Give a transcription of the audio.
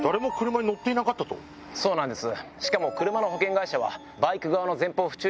そうなんです。